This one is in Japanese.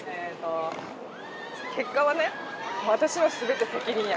結果はね私の全て責任やけん。